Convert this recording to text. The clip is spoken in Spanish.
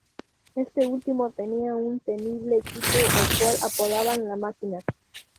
Este último tenía un temible equipo al cual apodaban "La Máquina".